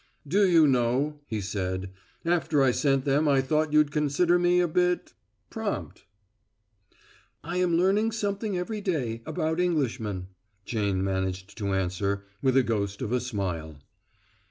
"Do you know," he said, "after I sent them I thought you'd consider me a bit prompt." "I am learning something every day about Englishmen," Jane managed to answer, with a ghost of a smile.